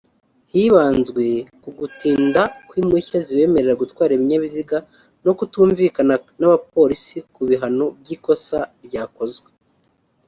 hibanzwe ku gutinda kw’impushya zibemerera gutwara ibinyabiziga no kutumvikana n’abapolisi ku bihano by’ikosa ryakozwe